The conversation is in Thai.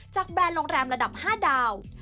แบรนด์โรงแรมระดับ๕ดาว